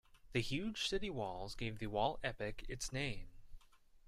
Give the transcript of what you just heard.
The huge city walls gave the wall epoch its name.